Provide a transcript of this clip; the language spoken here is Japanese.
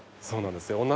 そうなんですよ